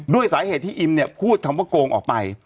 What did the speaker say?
ด้วยสาเหตุที่อิมเนี่ยพูดคำว่าโกงออกไป